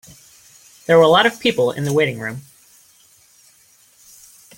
There were a lot of people in the waiting room.